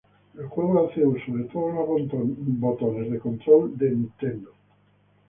El juego hace uso de todos los botones del control de Nintendo.